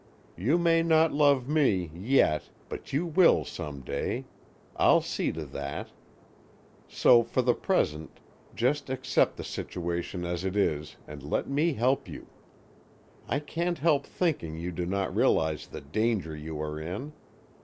You may not love me—yet—but you will some day. I'll see to that. So, for the present, just accept the situation as it is, and let me help you. I can't help thinking you do not realize the danger you are in.